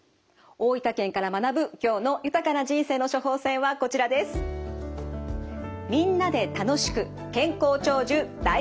大分県から学ぶ今日の豊かな人生の処方せんはこちらです。